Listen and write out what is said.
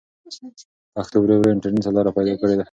پښتو ورو ورو انټرنټ ته لاره پيدا کړې ده.